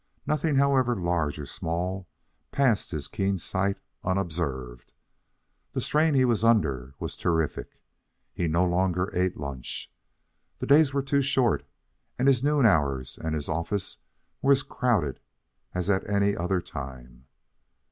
Nothing however large or small, passed his keen sight unobserved. The strain he was under was terrific. He no longer ate lunch. The days were too short, and his noon hours and his office were as crowded as at any other time.